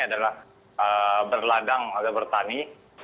adalah berladang atau bertani